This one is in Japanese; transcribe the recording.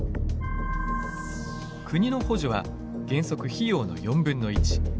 国の補助は原則費用の４分の１。